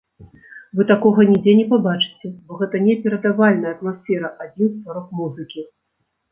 Вы такога нідзе не пабачыце, бо гэта неперадавальная атмасфера адзінства рок-музыкі!